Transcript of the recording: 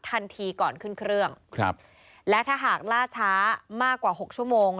ทันทีก่อนขึ้นเครื่องครับและถ้าหากล่าช้ามากกว่าหกชั่วโมง